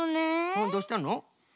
うんどうしたの？